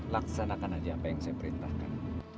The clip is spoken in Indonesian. laksanakan aja apa yang saya perintahkan